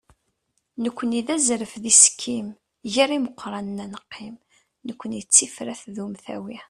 nekkni d azref d isekkim, gar imeqranen ad neqqim, nekkni d tifrat d umtawi.